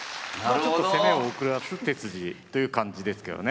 ちょっと攻めを遅らす手筋という感じですけどね。